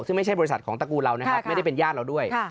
ซึ่งไม่ใช่บริษัทของตระกูลเรานะครับไม่ได้เป็นญาติเราด้วย